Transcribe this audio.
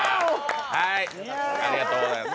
はーい、ありがとうございます。